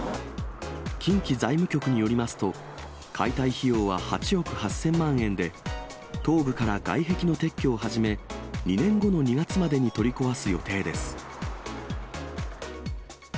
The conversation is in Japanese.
近畿財務局によりますと、解体費用は８億８０００万円で、頭部から外壁の撤去を始め、２年後の２月までに取り壊す予定です。